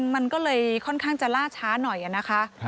มันก็เลยค่อนข้างจะล่าช้าหน่อยนะคะ